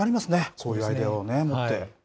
こういうアイデアをもって。